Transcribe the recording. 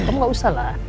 kamu gak usah lah